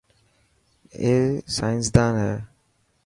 اي سائنسدان هي.